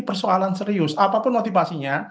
persoalan serius apapun motivasinya